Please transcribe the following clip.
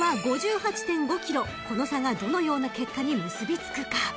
［この差がどのような結果に結び付くか］